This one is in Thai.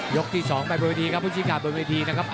ยกที่๒ไปบริเวณีครับผู้ชิงการบริเวณีนะครับ